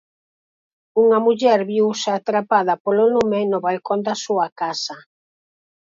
Unha muller viuse atrapada polo lume no balcón da súa casa.